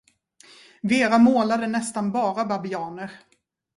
Vera målade nästan bara babianer.